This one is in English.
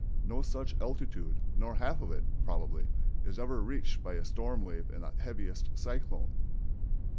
No such altitude, nor half of it, probably, is ever reached by a storm wave in the heaviest cyclone.